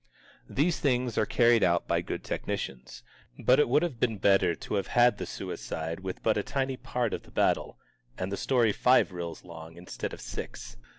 These things are carried out by good technicians. But it would have been better to have had the suicide with but a tiny part of the battle, and the story five reels long instead of six.